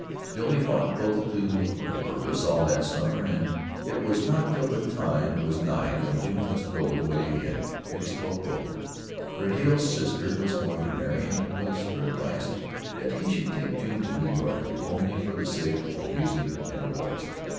Still he fought both to little purpose all that summer, and it was not till the time was nigh when June must go away again, that he spoke both. For Hale's sister was going to marry, and it was her advice that he should take June to New York if only for the sake of her music and her voice.